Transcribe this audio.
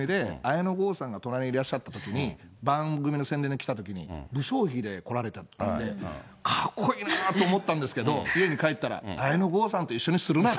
それで、ある番組で、綾野剛さんが隣いらっしゃったときに、番組の宣伝に来たときに、不精ひげで来られたんで、かっこいいなーと思ったんですけど、家に帰ったら、綾野剛さんと一緒にするなと。